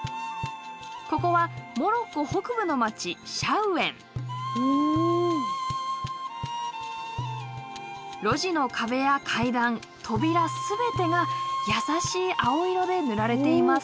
ここはモロッコ北部の街路地の壁や階段扉全てが優しい青色で塗られています。